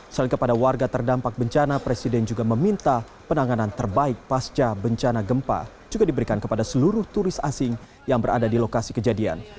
selain kepada warga terdampak bencana presiden juga meminta penanganan terbaik pasca bencana gempa juga diberikan kepada seluruh turis asing yang berada di lokasi kejadian